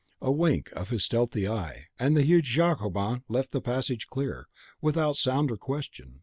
A wink of his stealthy eye, and the huge Jacobins left the passage clear, without sound or question.